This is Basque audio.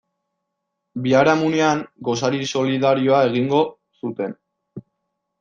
Biharamunean gosari solidarioa egingo zuten.